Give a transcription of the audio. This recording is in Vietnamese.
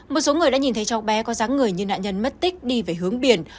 một số người đã nhìn thấy cháu bé có dáng người nhưng nạn nhân mất tích đi về hướng biển